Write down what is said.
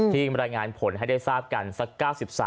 รายงานผลให้ได้ทราบกันสัก๙๓